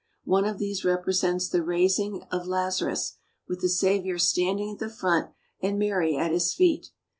One of these represents the raising of Lazarus, with the Saviour standing at the front and Mary at His feet.